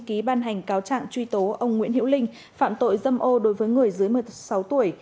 ký ban hành cáo trạng truy tố ông nguyễn hiệu linh phạm tội dâm ô đối với người dưới một mươi sáu tuổi